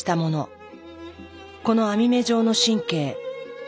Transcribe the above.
この網目状の神経